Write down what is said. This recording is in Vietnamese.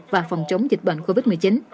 và phòng chống dịch bệnh covid một mươi chín